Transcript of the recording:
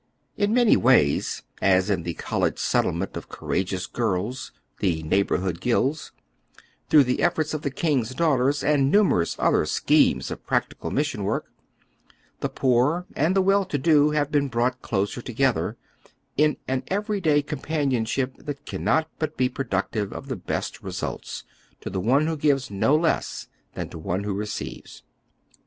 In many ways, as in the " College Settlement " of courageous girls, the N'eighborhood Guilds, through the efforts of The King's Daughters, and numerous other schemes of practical mis sion work, the poor and the well to do have been brought closer togethei', in an every day companionship that cannot but he productive of the best results, to the one who gives no less than to the one who receives.